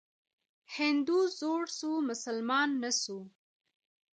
هندو زوړ سو ، مسلمان نه سو.